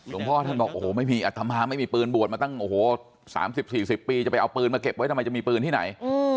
พ่อท่านบอกโอ้โหไม่มีอัตมาไม่มีปืนบวชมาตั้งโอ้โห๓๐๔๐ปีจะไปเอาปืนมาเก็บไว้ทำไมจะมีปืนที่ไหน